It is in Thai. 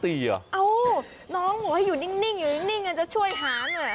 อ้าวน้องหัวอยู่นิ่งอยู่นิ่งจะช่วยหาหน่อย